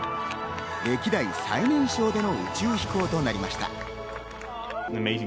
歴代最年少での宇宙飛行となりました。